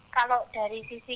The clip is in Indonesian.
kalau dari sisi